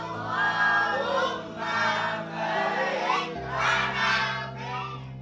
allah umar beriklan api